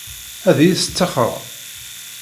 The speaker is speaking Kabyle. Ad iyi-testixxreḍ?